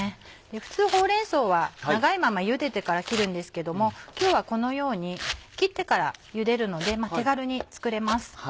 普通ほうれん草は長いままゆでてから切るんですけども今日はこのように切ってからゆでるので手軽に作れます。